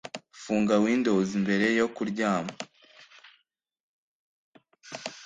Funga Windows mbere yo kuryama